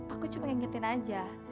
aku cuma ngingetin aja